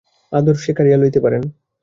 আদর যে কাড়িয়া লইতে পারেন।